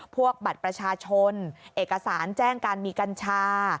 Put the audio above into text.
บัตรประชาชนเอกสารแจ้งการมีกัญชา